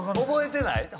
覚えてない？